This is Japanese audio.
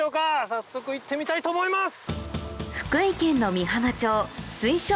早速行ってみたいと思います！